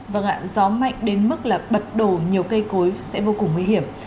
vâng ạ gió mạnh đến mức là bật đổ nhiều cây cối sẽ vô cùng nguy hiểm